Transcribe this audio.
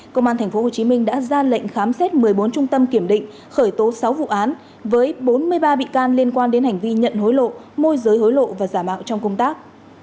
công an tp hcm đã ra lệnh khám xét một mươi bốn trung tâm kiểm định khởi tố sáu vụ án với bốn mươi ba bị can liên quan đến hành vi nhận hối lộ môi giới hối lộ và giả mạo trong công tác